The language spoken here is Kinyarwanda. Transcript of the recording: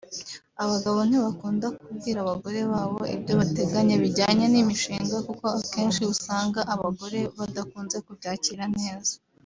Abagabo benshi ntibakunda kubwira abagore babo ibyo bateganya bijyanye n’imishinga kuko akenshi usanga abagore badakunze kubyakira neza